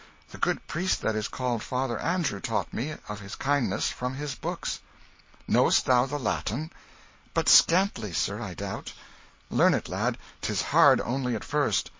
The good priest that is called Father Andrew taught me, of his kindness, from his books." "Know'st thou the Latin?" "But scantly, sir, I doubt." "Learn it, lad: 'tis hard only at first.